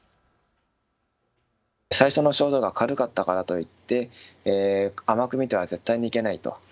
最初の症状が軽かったからといってあまく見ては絶対にいけないと。